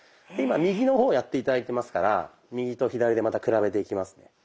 で今右の方をやって頂いてますから右と左でまた比べていきますね。